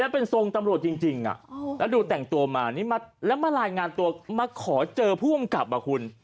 เป็นทรงตำรวจจริงแล้วดูแต่งตัวมานี่มาแล้วมารายงานตัวมาขอเจอผู้กำกับอ่ะคุณ